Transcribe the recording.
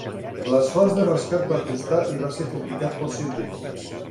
L'esforç de rescat va costar i va ser criticat pels científics.